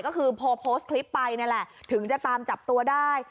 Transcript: ก็คือพอโพสต์คลิปไปนี่แหละถึงจะตามจับตัวได้